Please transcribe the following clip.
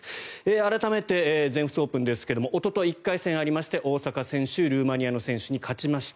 改めて全仏オープンですがおととい１回戦があって大坂選手ルーマニアの選手に勝ちました。